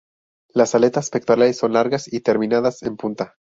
Las aletas pectorales son largas y terminadas en punta.